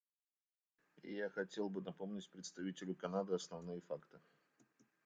Я хотел бы напомнить представителю Канады основные факты.